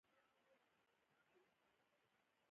د فصل د کښت پر وخت د موسم وړاندوینه ضروري ده.